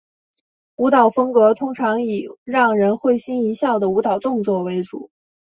舞蹈风格通常以让人会心一笑的舞蹈动作为主。